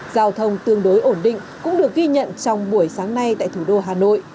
giao thông tương đối ổn định cũng được ghi nhận trong buổi sáng nay tại thủ đô hà nội